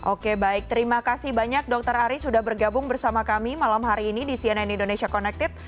oke baik terima kasih banyak dokter ari sudah bergabung bersama kami malam hari ini di cnn indonesia connected